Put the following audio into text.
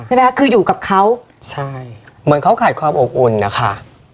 คืออยู่กับเขาใช่เหมือนเขาขาดความอบอุ่นนะคะ